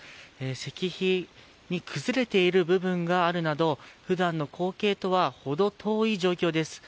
石碑に崩れている部分があるなどふだんの光景とは程遠い状況です。